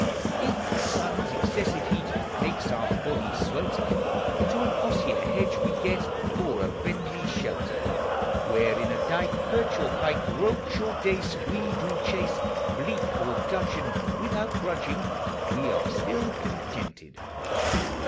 If the sun's excessive heat Make our bodies swelter, THE SEASONS. 141 To an osier hedge we get, For a friendly shelter ; Where, in a dike, Perch or pike, Roach or dace, We do chase, Bleak or gudgeon, Without grudging; We are still contented.